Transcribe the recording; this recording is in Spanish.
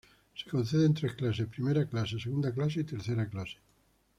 Se concede en tres clases: Primera Clase, Segunda Clase y Tercera Clase.